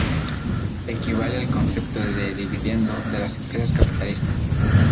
Equivale al concepto de dividendo de las empresas capitalistas.